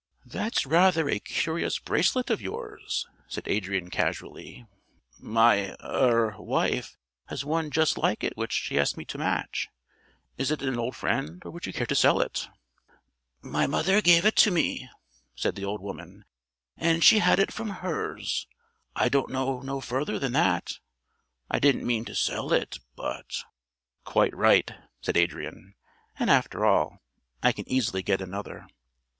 "That's rather a curious bracelet of yours," said Adrian casually. "My er wife has one just like it which she asked me to match. Is it an old friend, or would you care to sell it?" "My mother gave it me," said the old woman, "and she had it from hers. I don't know no further than that. I didn't mean to sell it, but " "Quite right," said Adrian, "and after all, I can easily get another."